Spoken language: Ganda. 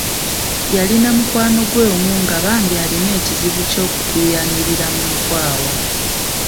Yalina mukwano gwe omu nga bambi alina ekizibu ky'okutuuyanirira mu nkwawa.